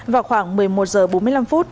vào khoảng một mươi một h bốn mươi năm